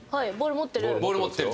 満島：ボール持ってる。